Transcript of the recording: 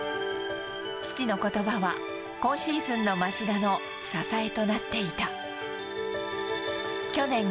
父のことばは、今シーズンの松田の支えとなっていた。